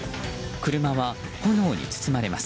車は炎に包まれます。